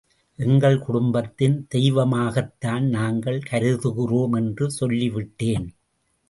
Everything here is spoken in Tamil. எங்கள் குடும்பத்தின் தெய்வமாகத்தான் நாங்கள் கருதுகிறோம் என்று சொல்லிவிட்டேன்.